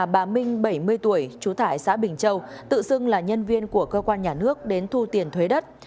bà minh bảy mươi tuổi trú tại xã bình châu tự xưng là nhân viên của cơ quan nhà nước đến thu tiền thuế đất